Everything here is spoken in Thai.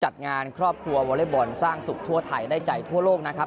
จัดงานครอบครัววอเล็กบอลสร้างสุขทั่วไทยได้ใจทั่วโลกนะครับ